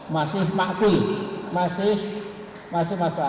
masih makbul masih masuk akal